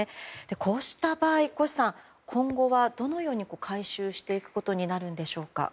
こうした場合、越さん今後はどのように回収していくことになるのでしょうか。